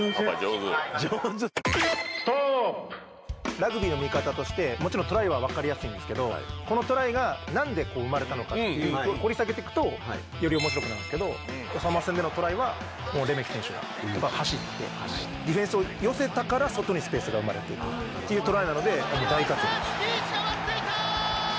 ラグビーの見方として、トライはわかりやすいんですけれど、このトライが何で生まれたのか掘り下げていくと、より面白くなるんですけれど、サモア戦でのトライはレメキ選手が走ってディフェンスを寄せたから外にスペースが生まれてというトライなので大活躍でした。